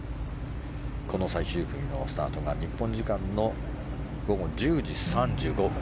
この最終組のスタートが日本時間の午後１０時３５分。